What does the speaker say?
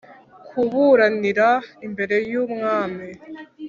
Kuburanira imbere y umwami